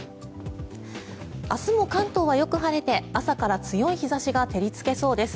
明日も関東はよく晴れて朝から強い日差しが照りつけそうです。